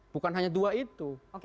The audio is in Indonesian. bukan hanya dua itu